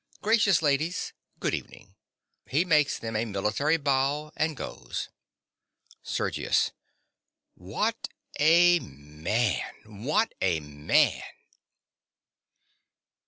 Gracious ladies—good evening. (He makes them a military bow, and goes.) SERGIUS. What a man! What a man!